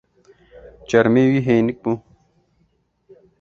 Çermê wî hênik bû.